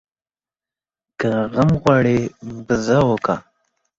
که غم غواړې ، بزه وکه.